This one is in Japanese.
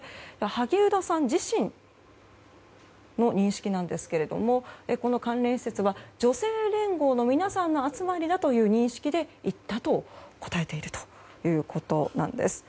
萩生田さん自身の認識ですがこの関連施設は女性連合の皆さんの集まりだという認識で行ったと答えているということです。